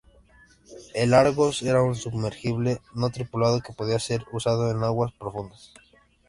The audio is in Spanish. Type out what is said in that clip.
El "Argos" era un sumergible no tripulado que podía ser usado en aguas profundas.